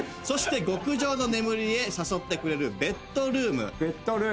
そして極上の眠りへ誘ってくれるベッドルーム。